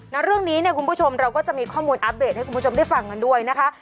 แล้วเรื่องนี้เนี่ยคุณผู้ชมเราก็จะมีข้อมูลอัปเดตให้คุณผู้ชมได้ฟังกันด้วยนะคะ